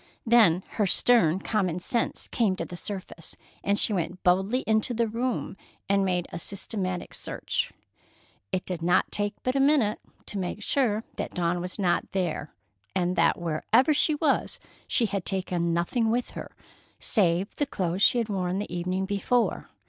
Then her stern common sense came to the surface, and she went boldly into the room and made a systematic search. It did not take but a minute to make sure that Dawn was not there, and that wherever she was she had taken nothing with her, save the clothes she had worn the evening before.